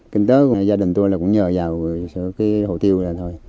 kinh tế gia đình tôi là cũng nhờ vào cái hồ tiêu này thôi